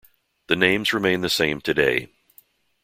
The names remain the same today.